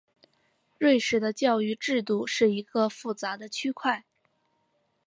瑞士的教育制度是一个复杂的区块。